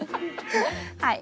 はい。